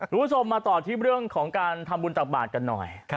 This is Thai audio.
คุณผู้ชมมาต่อที่เรื่องของการทำบุญตักบาทกันหน่อย